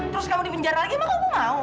terus kamu di penjara lagi emang kamu mau